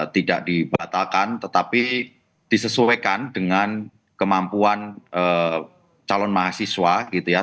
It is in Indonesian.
tidak dibatalkan tetapi disesuaikan dengan kemampuan calon mahasiswa gitu ya